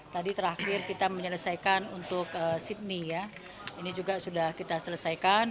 tadi terakhir kita menyelesaikan untuk sydney ya ini juga sudah kita selesaikan